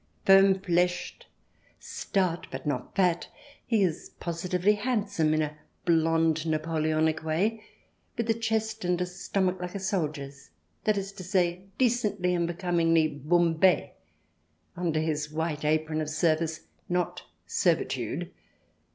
Firm fleshed, stout, but not fat, he is positively handsome in a blonde, Napoleonic way, with a chest and a stomach like a soldier's — that is to say, decently and becom ingly bombe— under his white apron of service, not servitude.